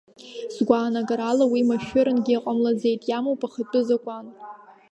Сгәаанагарала уи машәырынгьы иҟамлаӡеит, иамоуп ахатәы закәан.